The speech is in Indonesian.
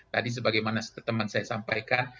tadi sebagaimana teman saya sampaikan